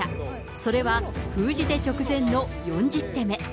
それは封じ手直前の４０手目。